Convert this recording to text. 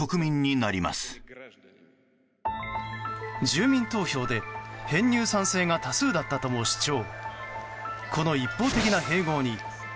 住民投票で編入賛成が多数だったとも主張。